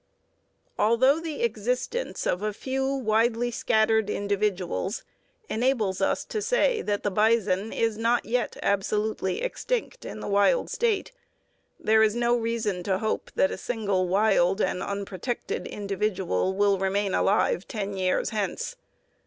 Although the existence of a few widely scattered individuals enables us to say that the bison is not yet absolutely extinct in a wild state, there is no reason to hope that a single wild and unprotected individual will remain alive ten years hence.